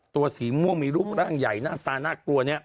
สีม่วงมีรูปร่างใหญ่หน้าตาน่ากลัวเนี่ย